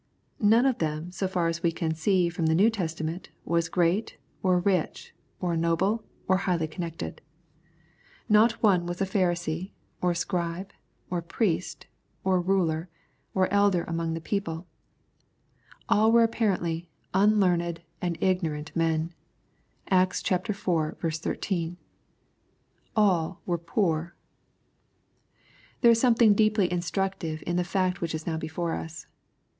Not one of them, so far as we can see from the New Testament, was great, or rich, or noble, or highly connected. Not one was a Pharisee, oi 172 EXPOSITORY THOUGHTS. Bcribe, or Priest, or Baler, or Elder among the people. All were, apparently, "unlearned and ignorant men,* (Acts iv. 13.) All were poor. There is something deeply instructive in the fact which is now before us.